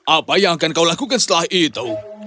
apa yang akan kau lakukan setelah itu